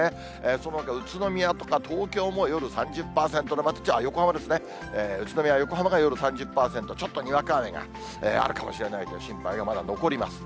そのほか、宇都宮とか東京も夜３０％、横浜ですね、宇都宮、横浜が夜３０％、ちょっとにわか雨があるかもしれないという心配がまだ残ります。